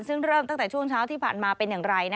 ซึ่งเริ่มตั้งแต่ช่วงเช้าที่ผ่านมาเป็นอย่างไร